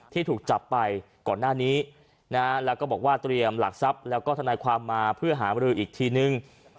ที่ถูกจับไปก่อนหน้านี้แล้วก็บอกว่าเตรียมหลักทรัพย์แล้วก็ทนายความมาเพื่อหามรืออีกทีนึง